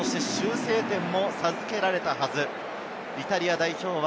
そして修正点も授けられたはず。